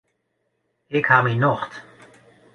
Ik ha myn nocht.